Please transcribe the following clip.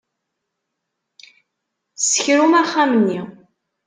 Ssekrum axxam-nni.